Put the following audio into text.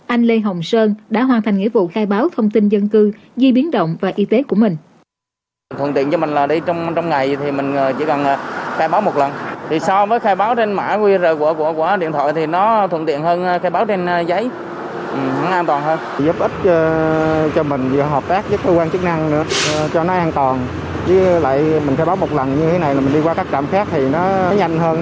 anh lê hồng sơn đã hoàn thành nghĩa vụ khai báo thông tin dân cư di biến động và y tế của mình